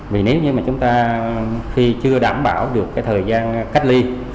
vì nếu như chúng ta khi chưa đảm bảo được thời gian cách ly